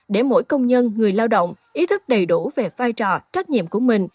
để mỗi công nhân người lao động ý thức đầy đủ về vai trò trách nhiệm của mình